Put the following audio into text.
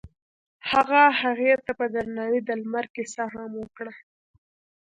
هغه هغې ته په درناوي د لمر کیسه هم وکړه.